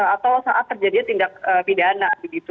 atau saat terjadinya tindak pidana begitu